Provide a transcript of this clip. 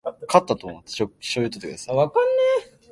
醤油をとってください